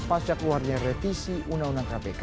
pasca keluarnya revisi undang undang kpk